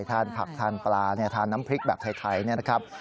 ทานผักทานปลาทานน้ำพริกแบบไทยเนี่ยนะครับ